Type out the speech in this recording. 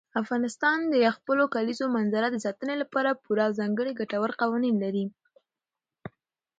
افغانستان د خپلو کلیزو منظره د ساتنې لپاره پوره او ځانګړي ګټور قوانین لري.